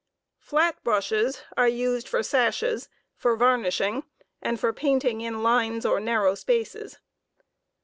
Flat brushes are used for sashes, for varnishing, and for painting in lines or narrow spaces.